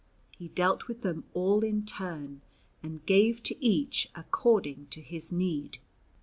He dealt with them all in turn, and gave to each according to his need.